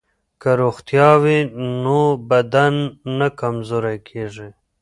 که روغتیا وي نو بدن نه کمزوری کیږي.